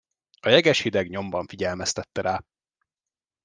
A jeges hideg nyomban figyelmeztette rá.